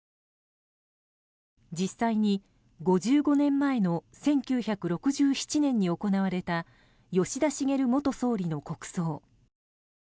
実際に５５年前の１９６７年に行われた吉田茂元総理の国葬。